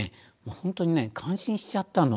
本当にね感心しちゃったの。